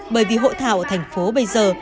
bởi vì hộ thảo ở thành phố bây giờ